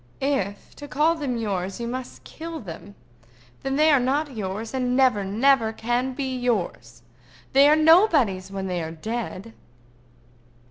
"If, to call them yours, you must kill them, then they are not yours, and never, never can be yours. They are nobody's when they are dead."